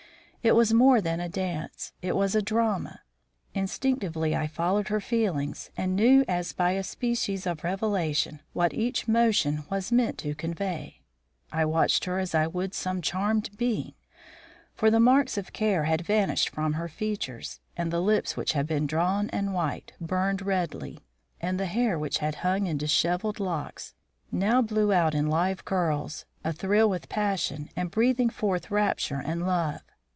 It was more than a dance: it was a drama; instinctively I followed her feelings and knew as by a species of revelation what each motion was meant to convey. I watched her as I would some charmed being; for the marks of care had vanished from her features, and the lips, which had been drawn and white, burned redly, and the hair, which had hung in dishevelled locks, now blew out in live curls, athrill with passion and breathing forth rapture and love.